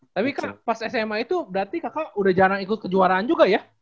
tapi kan pas sma itu berarti kakak udah jarang ikut kejuaraan juga ya